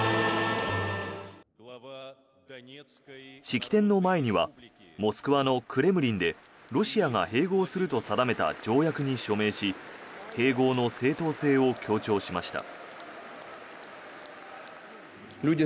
式典の前にはモスクワのクレムリンでロシアが併合すると定めた条約に署名し併合の正当性を強調しました。